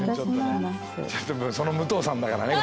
その武藤さんだからね。